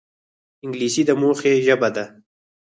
انګلیسي د موخې ژبه ده